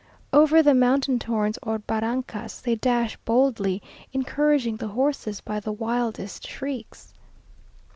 Over the mountain torrents or barrancas, they dash boldly, encouraging the horses by the wildest shrieks.